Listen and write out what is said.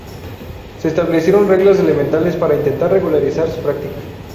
Se establecieron reglas elementales para intentar regularizar su práctica.